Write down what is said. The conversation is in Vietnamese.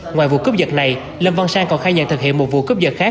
ngoài vụ cướp giật này lâm văn sang còn khai nhận thực hiện một vụ cướp dật khác